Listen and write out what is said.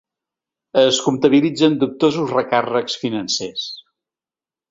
Es comptabilitzen dubtosos recàrrecs financers.